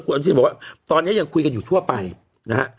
คุณอนุชินบอกว่าตอนนี้ยังคุยกันอยู่ทั่วไปนะฮะ